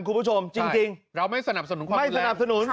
คุณผู้ชมจริงเราไม่สนับสนุนความไม่สนับสนุน